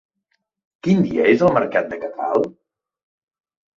Quin dia és el mercat de Catral?